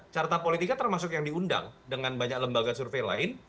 carta politika termasuk yang diundang dengan banyak lembaga survei lain